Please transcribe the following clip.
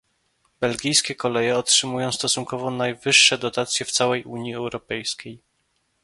Belgijskie koleje otrzymują stosunkowo najwyższe dotacje w całej Unii Europejskiej